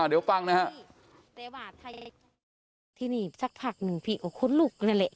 อ่าเดี๋ยวฟังนะฮะที่นี่สักผักหนึ่งพี่ก็ค้นลูกนั่นแหละ